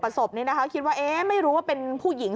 ประสบนี้นะคะคิดว่าไม่รู้ว่าเป็นผู้หญิง